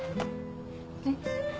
えっ？